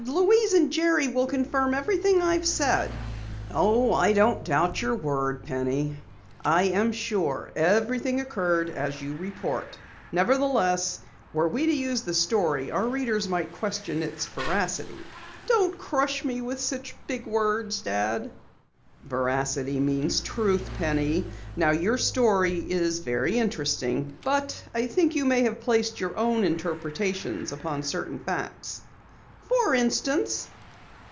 Louise and Jerry will confirm everything I've said." "Oh, I don't doubt your word, Penny. I am sure everything occurred as you report. Nevertheless, were we to use the story our readers might question its veracity." "Don't crush me with such big words, Dad." "Veracity means truth, Penny. Now your story is very interesting, but I think you may have placed your own interpretation upon certain facts." "For instance?"